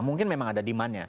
mungkin memang ada demandnya